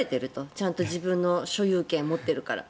ちゃんと自分の所有権を持っているから。